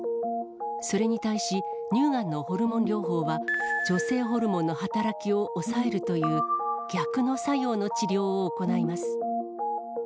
それに対し、乳がんのホルモン療法は女性ホルモンの働きを抑えるという、逆の作用の治療を行います。